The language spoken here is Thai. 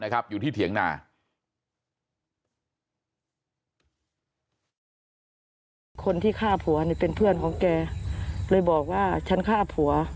คนที่ฆ่าผัวเป็นเพื่อนของแกเลยบอกว่าฉันฆ่าผัว